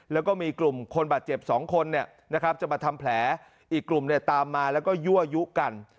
แล้วก็มีกลุ่มคนบาดเจ็บ๒คนจะมาทำแผลอีกกลุ่มเนี่ยตามมาแล้วก็ยั่วยุกัน